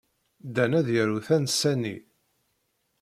Dan ad yaru tansa-nni.